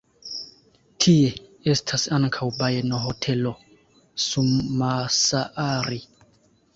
Tie estas ankaŭ bajenohotelo Summassaari.